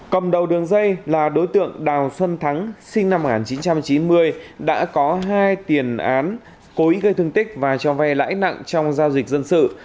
cầm đầu đường dây là đối tượng đào xuân thắng sinh năm một nghìn chín trăm chín mươi đã có hai tiền án cố ý gây thương tích và cho vay lãi nặng trong giao dịch dân sự